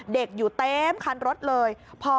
อยู่เต็มคันรถเลย